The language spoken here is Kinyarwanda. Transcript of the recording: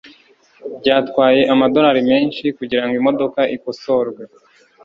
byatwaye amadorari menshi kugirango imodoka ikosorwe